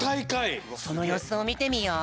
そのようすをみてみよう。